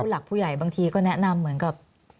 บางทีก็แนะนำเหมือนกับ